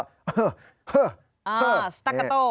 อ่าสตะกะโต